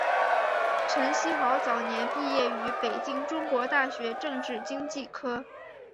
陈希豪早年毕业于北京中国大学政治经济科。